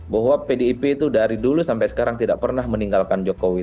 bahwa pdip itu dari dulu sampai sekarang tidak pernah meninggalkan jokowi